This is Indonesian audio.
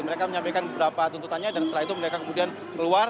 mereka menyampaikan beberapa tuntutannya dan setelah itu mereka kemudian keluar